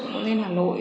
cũng muốn lên hà nội